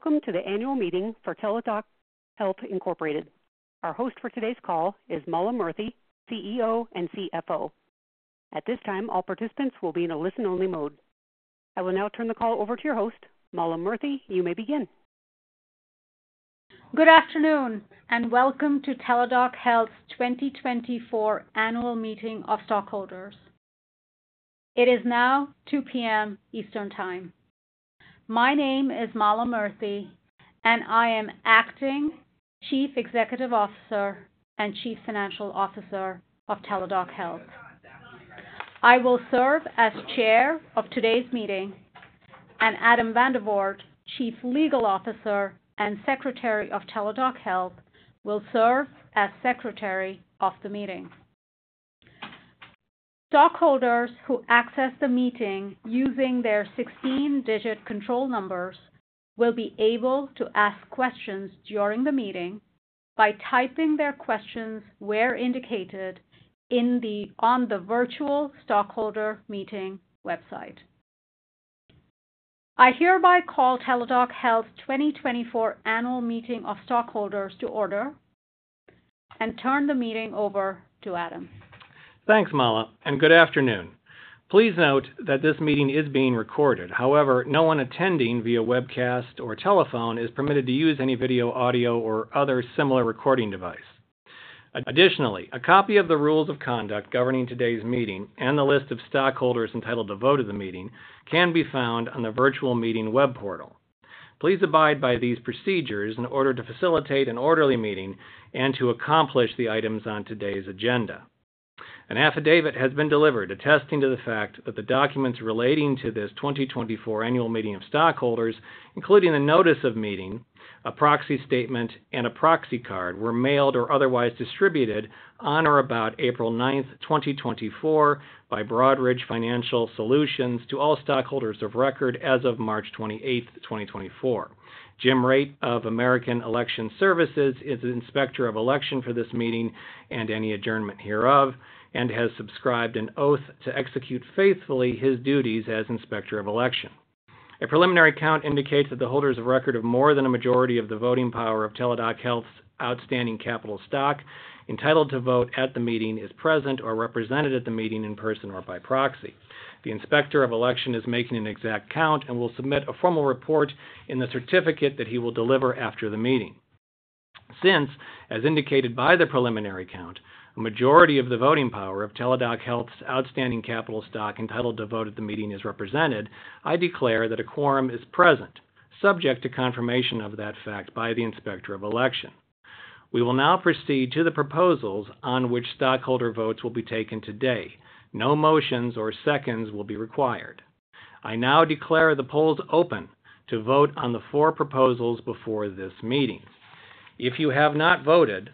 Welcome to the annual meeting for Teladoc Health Incorporated. Our host for today's call is Mala Murthy, CEO and CFO. At this time, all participants will be in a listen-only mode. I will now turn the call over to your host. Mala Murthy, you may begin. Good afternoon, and welcome to Teladoc Health's 2024 Annual Meeting of Stockholders. It is now 2:00 P.M. Eastern Time. My name is Mala Murthy, and I am Acting Chief Executive Officer and Chief Financial Officer of Teladoc Health. I will serve as chair of today's meeting, and Adam Vandervoort, Chief Legal Officer and Secretary of Teladoc Health, will serve as Secretary of the meeting. Stockholders who access the meeting using their 16-digit control numbers will be able to ask questions during the meeting by typing their questions where indicated on the virtual stockholder meeting website. I hereby call Teladoc Health's 2024 Annual Meeting of Stockholders to order and turn the meeting over to Adam. Thanks, Mala, and good afternoon. Please note that this meeting is being recorded. However, no one attending via webcast or telephone is permitted to use any video, audio, or other similar recording device. Additionally, a copy of the rules of conduct governing today's meeting and the list of stockholders entitled to vote at the meeting can be found on the virtual meeting web portal. Please abide by these procedures in order to facilitate an orderly meeting and to accomplish the items on today's agenda. An affidavit has been delivered, attesting to the fact that the documents relating to this 2024 Annual Meeting of Stockholders, including a notice of meeting, a proxy statement, and a proxy card, were mailed or otherwise distributed on or about April 9, 2024, by Broadridge Financial Solutions to all stockholders of record as of March 28, 2024. James Raitt of American Election Services is Inspector of Election for this meeting and any adjournment hereof and has subscribed an oath to execute faithfully his duties as Inspector of Election. A preliminary count indicates that the holders of record of more than a majority of the voting power of Teladoc Health's outstanding capital stock, entitled to vote at the meeting, is present or represented at the meeting in person or by proxy. The Inspector of Election is making an exact count and will submit a formal report in the certificate that he will deliver after the meeting. Since, as indicated by the preliminary count, a majority of the voting power of Teladoc Health's outstanding capital stock entitled to vote at the meeting is represented, I declare that a quorum is present, subject to confirmation of that fact by the Inspector of Election. We will now proceed to the proposals on which stockholder votes will be taken today. No motions or seconds will be required. I now declare the polls open to vote on the four proposals before this meeting. If you have not voted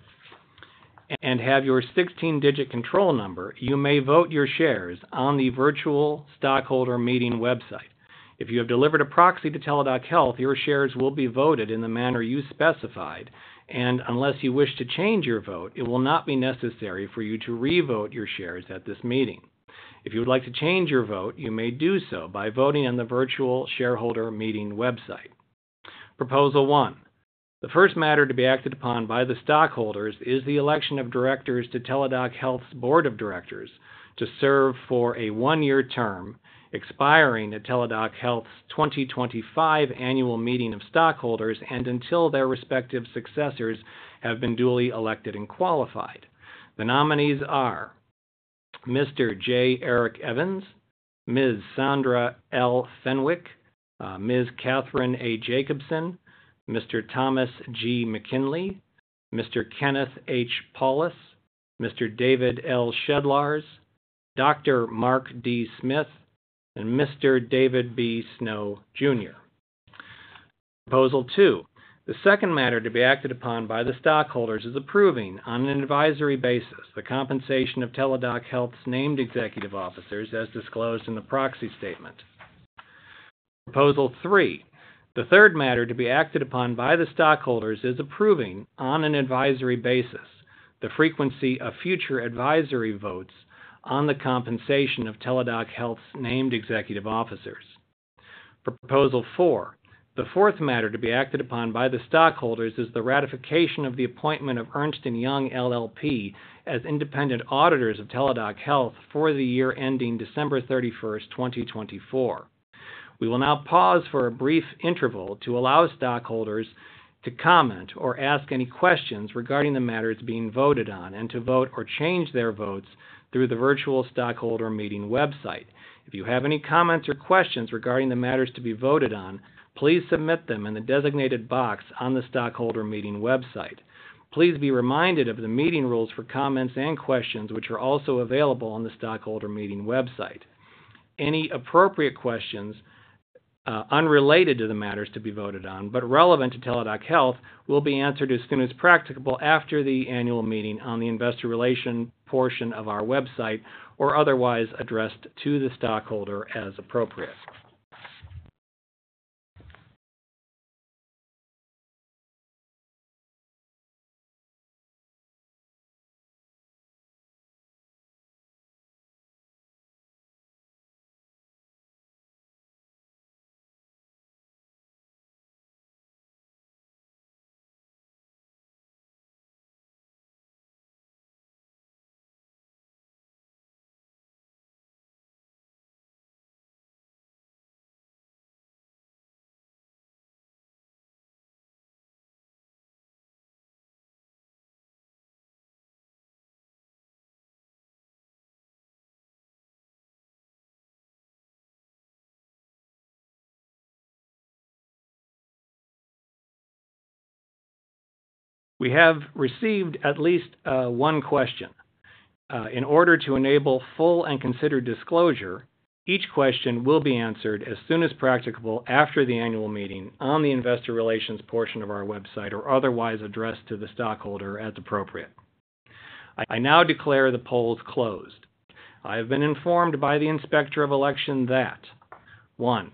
and have your 16-digit control number, you may vote your shares on the virtual stockholder meeting website. If you have delivered a proxy to Teladoc Health, your shares will be voted in the manner you specified, and unless you wish to change your vote, it will not be necessary for you to revote your shares at this meeting. If you would like to change your vote, you may do so by voting on the virtual shareholder meeting website. Proposal one: The first matter to be acted upon by the stockholders is the election of directors to Teladoc Health's Board of Directors to serve for a one-year term, expiring at Teladoc Health's 2025 Annual Meeting of Stockholders and until their respective successors have been duly elected and qualified. The nominees are Mr. J. Eric Evans, Ms. Sandra L. Fenwick, Ms. Catherine A. Jacobson, Mr. Thomas G. McKinley, Mr. Kenneth H. Paulus, Mr. David L. Shedlarz, Dr. Mark D. Smith, and Mr. David B. Snow Jr. Proposal two: The second matter to be acted upon by the stockholders is approving, on an advisory basis, the compensation of Teladoc Health's named executive officers as disclosed in the proxy statement. Proposal 3: The third matter to be acted upon by the stockholders is approving, on an advisory basis, the frequency of future advisory votes on the compensation of Teladoc Health's named executive officers. Proposal 4: The fourth matter to be acted upon by the stockholders is the ratification of the appointment of Ernst & Young LLP as independent auditors of Teladoc Health for the year ending December 31, 2024. We will now pause for a brief interval to allow stockholders to comment or ask any questions regarding the matters being voted on and to vote or change their votes through the virtual stockholder meeting website. If you have any comments or questions regarding the matters to be voted on, please submit them in the designated box on the stockholder meeting website. Please be reminded of the meeting rules for comments and questions, which are also available on the stockholder meeting website. Any appropriate questions unrelated to the matters to be voted on but relevant to Teladoc Health will be answered as soon as practicable after the annual meeting on the investor relations portion of our website or otherwise addressed to the stockholder as appropriate. We have received at least one question. In order to enable full and considered disclosure, each question will be answered as soon as practicable after the annual meeting on the investor relations portion of our website, or otherwise addressed to the stockholder as appropriate. I now declare the polls closed. I have been informed by the Inspector of Election that, one,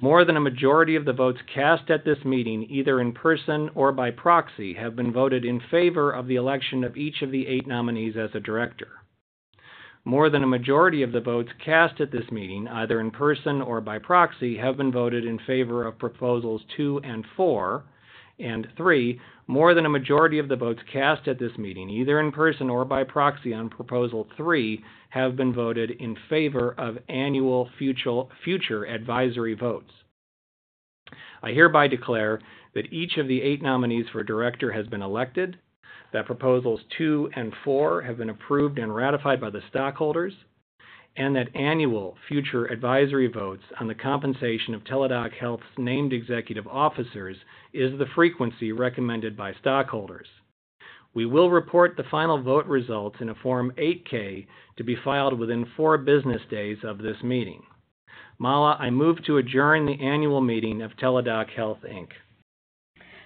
more than a majority of the votes cast at this meeting, either in person or by proxy, have been voted in favor of the election of each of the eight nominees as a director. More than a majority of the votes cast at this meeting, either in person or by proxy, have been voted in favor of proposals two and four. And three, more than a majority of the votes cast at this meeting, either in person or by proxy, on proposal three, have been voted in favor of annual future advisory votes. I hereby declare that each of the eight nominees for director has been elected, that proposals two and four have been approved and ratified by the stockholders, and that annual future advisory votes on the compensation of Teladoc Health's named executive officers is the frequency recommended by stockholders. We will report the final vote results in a Form 8-K to be filed within four business days of this meeting. Mala, I move to adjourn the annual meeting of Teladoc Health, Inc.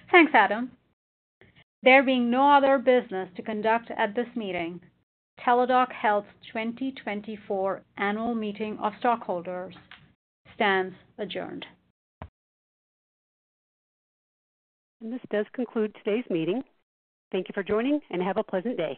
Thanks, Adam. There being no other business to conduct at this meeting, Teladoc Health's 2024 annual meeting of stockholders stands adjourned. This does conclude today's meeting. Thank you for joining, and have a pleasant day.